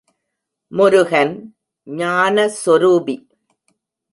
முருகன் ஞான சொரூபி.